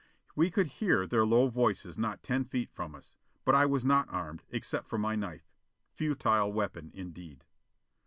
We could hear their low voices not ten feet from us. But I was not armed, except for my knife. Futile weapon, indeed.